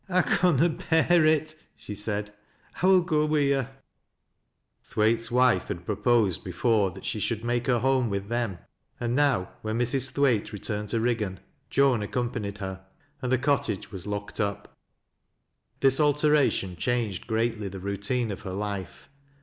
" I conna bear it," she said. " I will go wi' yo'." Thwaite's wife had proposed before that she should make her home with them ; and now, when Mrs. Thwaite returned to Eiggan, Joan accompanied her, and .he cot tage was locked up. This alteration changed greatly the routine of her life.